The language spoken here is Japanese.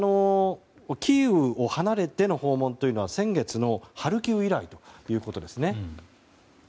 キーウを離れての訪問というのは先月のハルキウ以来ということですね。